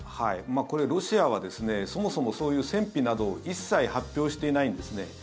これ、ロシアはそもそも、そういう戦費などを一切発表していないんですね。